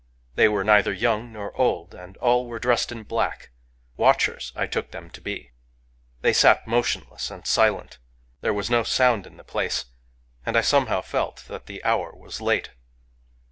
They were neither young nor old, and all were dressed in black: watchers I took them to be. They sat motionless and silent : there was no sound in the place; and I somehow felt that the hour was late.